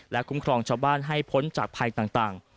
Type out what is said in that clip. คุ้มครองชาวบ้านให้พ้นจากภัยต่าง